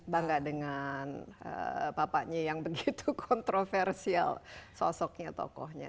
bangga dengan papanya yang begitu kontroversial sosoknya tokohnya